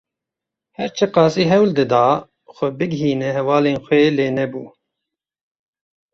Her çi qasî hewl dida xwe bigihîne hevalên xwe lê nebû.